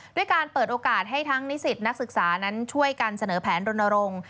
ด้วยการเปิดโอกาสให้ทั้งนิสิตนักศึกษานั้นช่วยกันเสนอแผนรณรงค์